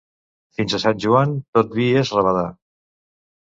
Fins a Sant Joan, tot vi és rabadà.